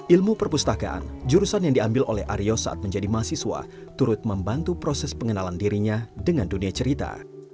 ilmu perpustakaan jurusan yang diambil oleh aryo saat menjadi mahasiswa turut membantu proses pengenalan dirinya dengan dunia cerita